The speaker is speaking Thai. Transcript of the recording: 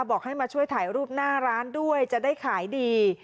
บอกให้มาช่วยถ่ายรูปหน้าร้านด้วยจะได้ขายดี